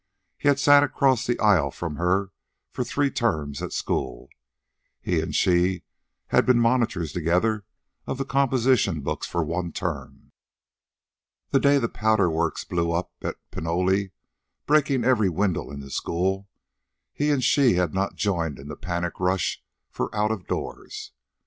He had sat across the aisle from her for three terms at school. He and she had been monitors together of the composition books for one term. The day the powder works blew up at Pinole, breaking every window in the school, he and she had not joined in the panic rush for out of doors.